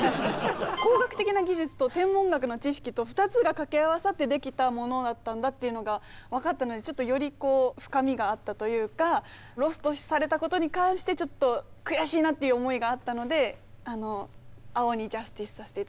工学的な技術と天文学の知識と２つが掛け合わさってできたものだったんだというのが分かったのでちょっとより深みがあったというかロストされたことに関してちょっと悔しいなっていう思いがあったので青にジャスティスさせて頂きました。